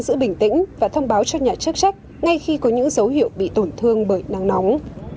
giữ bình tĩnh và thông báo cho nhà chức trách ngay khi có những dấu hiệu bị tổn thương bởi nắng nóng